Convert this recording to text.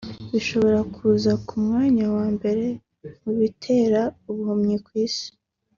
ishobora kuza ku mwanya wa mbere mu bitera ubuhumyi ku isi